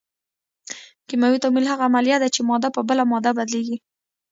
کیمیاوي تعامل هغه عملیه ده چې ماده په بله ماده بدلیږي.